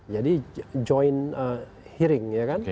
jadi joint hearing ya kan